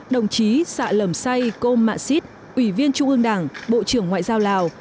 đồng chí xạ lẩm say cô mạ xít ủy viên trung ương đảng bộ trưởng ngoại giao lào